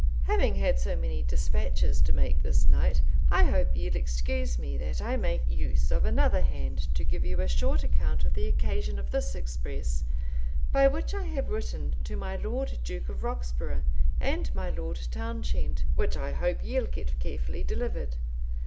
"Haveing had so many dispatches to make this night, I hope ye'l excuse me that I make use of another hand to give yow a short account of the occasion of this express, by which I have written to my Ld. Duke of Roxburgh, and my Lord Townshend, which I hope ye'l gett carefully deleivered.